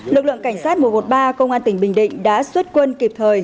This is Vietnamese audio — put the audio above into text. lực lượng cảnh sát mùa một mươi ba công an tỉnh bình định đã xuất quân kịp thời